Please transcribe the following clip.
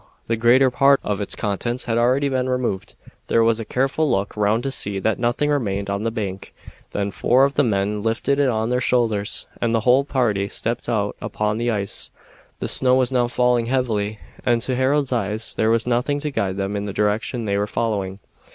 The greater part of its contents had already been removed. There was a careful look round to see that nothing remained on the bank; then four of the men lifted it on their shoulders, and the whole party stepped out upon the ice. The snow was now falling heavily, and to Harold's eyes there was nothing to guide them in the direction they were following.